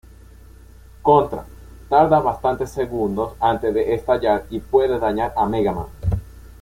Contra: tarda bastantes segundos antes de estallar y puede dañar a Mega Man.